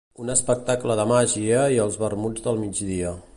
Un espectacle de màgia i els vermuts del migdia.